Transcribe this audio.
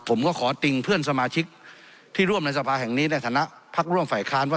ผมก็ขอติงเพื่อนสมาชิกที่ร่วมในสภาแห่งนี้ในฐานะพักร่วมฝ่ายค้านว่า